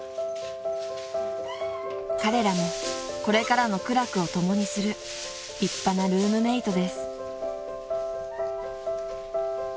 ［彼らもこれからの苦楽を共にする立派なルームメートです］